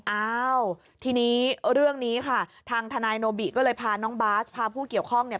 อ้าวทีนี้เรื่องนี้ค่ะทางทนายโนบิก็เลยพาน้องบาสพาผู้เกี่ยวข้องเนี่ย